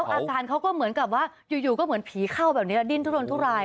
อาการเขาก็เหมือนกับว่าอยู่ก็เหมือนผีเข้าแบบนี้ดิ้นทุรนทุราย